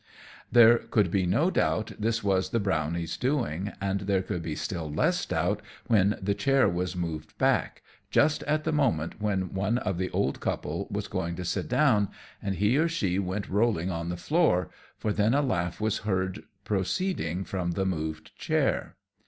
There could be no doubt this was the brownie's doing, and there could be still less doubt when the chair was moved back, just at the moment when one of the old couple was going to sit down, and he or she went rolling on the floor, for then a laugh was heard proceeding from the moved chair.